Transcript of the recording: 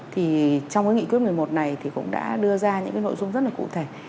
thì trong cái nghị quyết số một mươi một này cũng đã đưa ra những nội dung rất là cụ thể